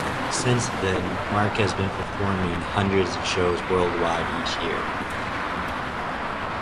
Since then, Mark has been performing hundreds of shows worldwide each year.